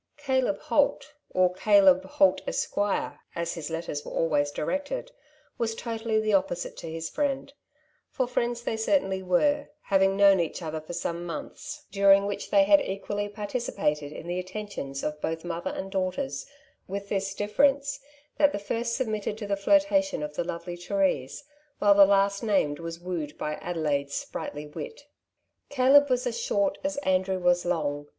'' Caleb Holt, or Caleb Holt, Esq , as his letters were always directed, was totally the opposite to his friend — for friends they certainly were, having known each other for some months, during which they had equally participated in the attentions of both mother and daughters, with this difiereuce, that the first submitted to the flirtation of the lovely Therise, while the last named was wooed by Ade laide's sprightly wit. Caleb was as short as Andrew was long.